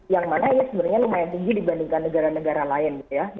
yang mana ini sebenarnya lumayan tinggi dibandingkan negara negara lain